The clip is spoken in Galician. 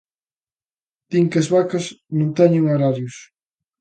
Din que as vacas non teñen horarios.